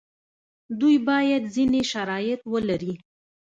دوی باید ځینې شرایط ولري.